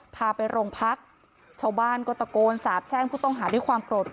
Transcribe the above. พาไปรงพัก